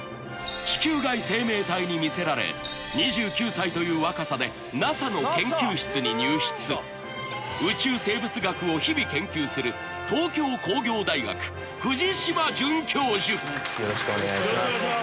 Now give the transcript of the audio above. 地球外生命体に魅せられ２９歳という若さでＮＡＳＡの研究室に入室宇宙生物学を日々研究するよろしくお願いします。